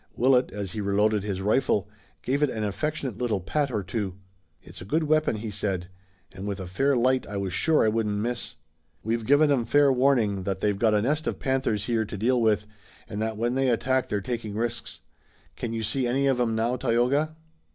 Willet, as he reloaded his rifle, gave it an affectionate little pat or two. "It's a good weapon," he said, "and with a fair light I was sure I wouldn't miss. We've given 'em fair warning that they've got a nest of panthers here to deal with, and that when they attack they're taking risks. Can you see any of 'em now, Tayoga?"